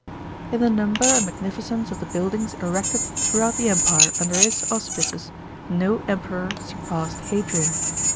§ 27. In the number and magnificence of the buildings erected throughout the Empire under his auspices no Emperor surpassed Hadrian.